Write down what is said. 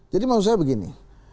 jadi maksud saya begini